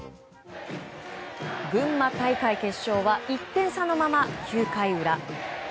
群馬大会決勝は１点差のまま９回裏。